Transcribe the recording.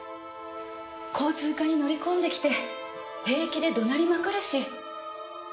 交通課に乗り込んできて平気で怒鳴りまくるし。